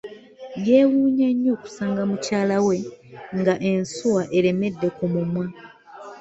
Yewuunya nnyo okusanga mukyala we nga ensuwa eremedde ku mumwa.